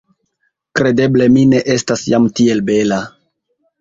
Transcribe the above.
Kredeble mi ne estas jam tiel bela!